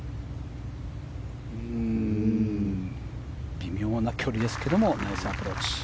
微妙な距離ですけどもナイスアプローチ。